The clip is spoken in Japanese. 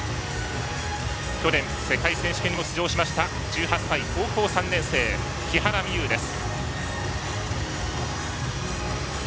去年世界選手権にも出場しました１８歳、高校３年生木原美悠です。